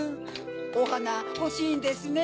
おはなほしいんですね。